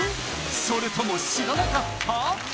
それとも知らなかった？